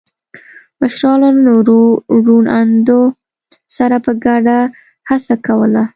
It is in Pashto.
مشرانو له نورو روڼ اندو سره په ګډه هڅه کوله.